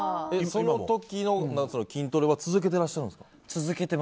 その時の筋トレは続けていらっしゃるんですか？